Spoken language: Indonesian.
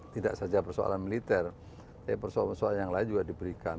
tidak saja persoalan militer persoalan persoalan yang lain juga diberikan